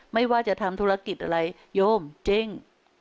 ไม่ว่าจะทำธุรกิจอะไรโยมจริง